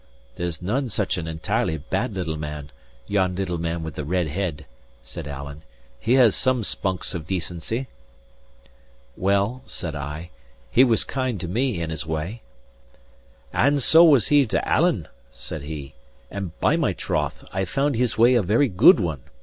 That's none such an entirely bad little man, yon little man with the red head," said Alan. "He has some spunks of decency." "Well," said I, "he was kind to me in his way." "And so he was to Alan," said he; "and by my troth, I found his way a very good one!